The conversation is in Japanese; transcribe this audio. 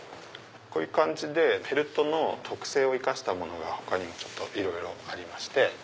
こういう感じでフェルトの特性を生かしたものが他にもいろいろありまして。